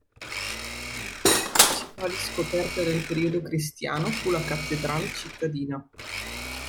Una delle principali scoperte del periodo cristiano fu la cattedrale cittadina.